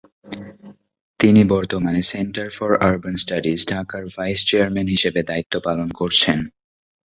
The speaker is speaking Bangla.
তিনি বর্তমানে সেন্টার ফর আরবান স্টাডিজ, ঢাকার ভাইস চেয়ারম্যান হিসাবে দায়িত্ব পালন করছেন।